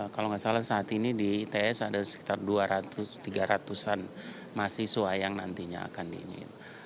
kalau nggak salah saat ini di its ada sekitar dua ratus tiga ratus an mahasiswa yang nantinya akan diinginkan